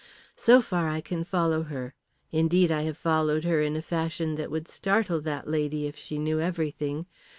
So far I can follow her indeed, I have followed her in a fashion that would startle that lady if she knew everything.